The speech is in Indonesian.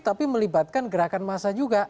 tapi melibatkan gerakan massa juga